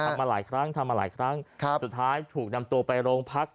มาหลายครั้งทำมาหลายครั้งครับสุดท้ายถูกนำตัวไปโรงพัก